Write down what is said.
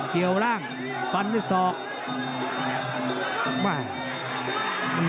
เดียวล่างฟันที่สอง